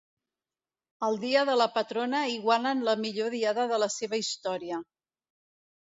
El dia de la patrona igualen la millor diada de la seva història.